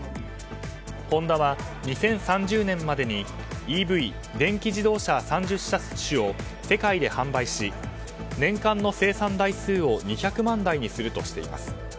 ホンダは２０３０年までにＥＶ・電気自動車３０車種を世界で販売し年間の生産台数を２００万台にするとしています。